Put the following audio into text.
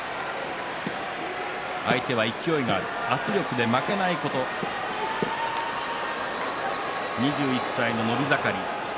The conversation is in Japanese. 相手は勢いがある圧力で負けないこと２１歳の伸び盛り。